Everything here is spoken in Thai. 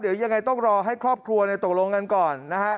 เดี๋ยวยังไงต้องรอให้ครอบครัวตกลงกันก่อนนะฮะ